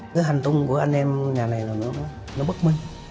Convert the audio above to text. cái hành tung của anh em nhà này là nó bất minh